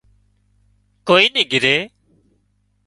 ڪوئي نِي گھري